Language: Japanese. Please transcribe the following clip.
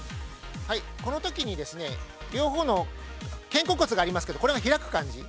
◆この時にですね、両方の肩甲骨がありますけど、これが開く感じ。